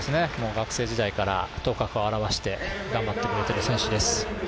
学生時代から頭角を現して頑張ってくれている選手です。